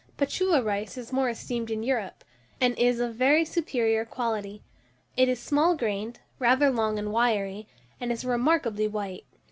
Patua rice is more esteemed in Europe, and is of very superior qualify; it is small grained, rather long and wiry, and is remarkably white.